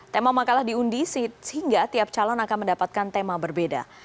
tema makalah diundi sehingga tiap calon akan mendapatkan tema berbeda